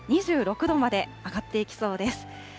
２６度まで上がっていきそうです。